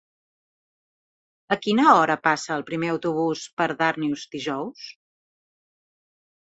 A quina hora passa el primer autobús per Darnius dijous?